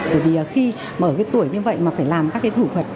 bởi vì khi mà ở cái tuổi như vậy mà phải làm các cái thủ thuật